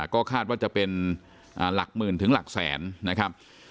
ก็คาดว่าจะเป็นหลักหมื่นถึงหลักแสนนะครับ